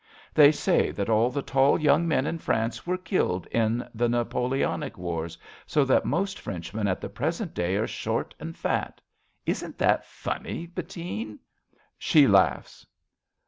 They say that all the tall young men in France Were killed in the Napoleonic wars, So that most Frenchmen at the present day Are short and fat. Isn't that funny, Bettine ? {She laughs.)